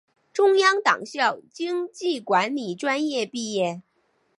中央党校经济管理专业毕业。